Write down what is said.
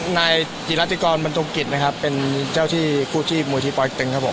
นายธิราชิกรบรรทมกิจนะครับเป็นเจ้าที่คู่ชีพมูลที่ปติ๊กตึงครับผม